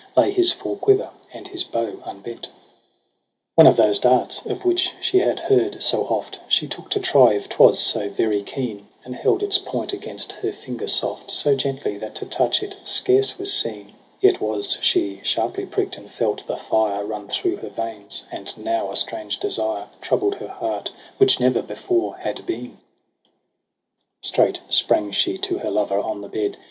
Lay his full quiver, and his bow unbent. One of those darts, of which she had heard so oft. She took to try if 'twas so very keen ; And held its point against her finger soft So gently, that to touch it scarce was seen ; Yet was she sharply prickt, and felt the fire Run through her veins ; and now a strange desire Troubl'd her heart, which ne'er before had been : Straight sprang she to her lover on the bed.